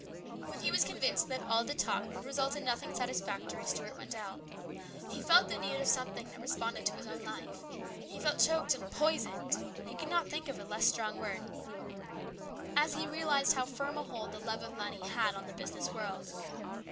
When he was convinced that all the talk would result in nothing satisfactory, Stuart went out. He felt the need of something that responded to his own life. He felt choked and " poisoned " (he could not think of a less strong word) as he realized how firm a hold the love of money had on the business world.